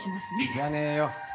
いらねえよ。